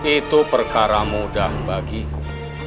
itu perkara mudah bagiku